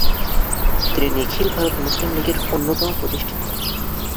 তিনি নিখিল ভারত মুসলিম লীগের অন্যতম প্রতিষ্ঠাতা।